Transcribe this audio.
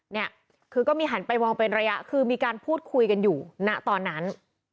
เนี่ยคือก็มีหันไปมองเป็นระยะคือมีการพูดคุยกันอยู่ณตอนนั้น